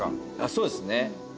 そうですね。